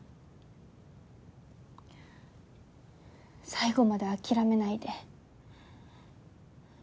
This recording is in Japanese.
最後まで諦めないで。